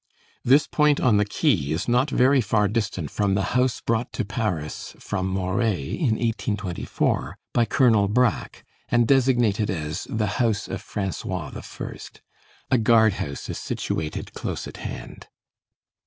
This point on the quay is not very far distant from the house brought to Paris from Moret in 1824, by Colonel Brack, and designated as "the house of François I." A guard house is situated close at hand.